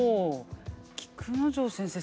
菊之丞先生